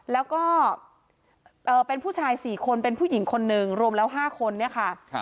แล้วก็เป็นผู้ชาย๔คนเป็นผู้หญิงคนหนึ่งรวมแล้ว๕คนเนี่ยค่ะ